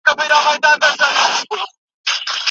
د توکو قیمتونه د بازار د غوښتنې مطابق ټاکل کیږي.